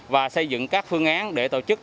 và xây dựng các phương án để tổ chức